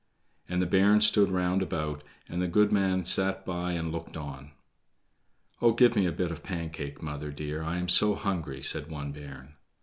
And the bairns stood round about, and the goodman sat by and looked on. "Oh, give me a bit of Pancake, mother, dear; I am so hungry," said one bairn.